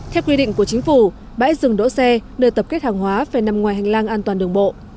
theo quy định của chính phủ bãi rừng đỗ xe nơi tập kết hàng hóa phải nằm ngoài hành lang an toàn đường bộ